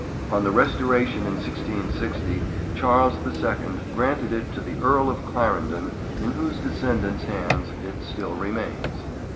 On the Restoration in 1660, Charles the Second granted it to the Earl of Clarendon, in whose descendants' hands it still remains.